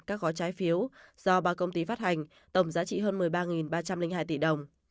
các gói trái phiếu do ba công ty phát hành tổng giá trị hơn một mươi ba ba trăm linh hai tỷ đồng